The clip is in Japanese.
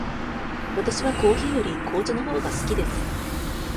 わたしはコーヒーより紅茶のほうが好きです。